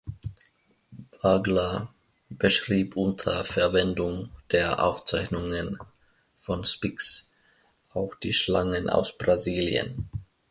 Wagler beschrieb unter Verwendung der Aufzeichnungen von Spix auch die Schlangen aus Brasilien.